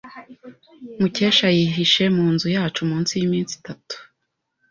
Mukesha yihishe mu nzu yacu munsi y'iminsi itatu.